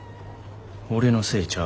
俺のせいちゃう。